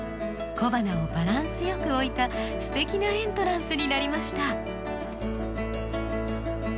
小花をバランスよく置いたすてきなエントランスになりました。